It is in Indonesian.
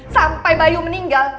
sampai bayu meninggal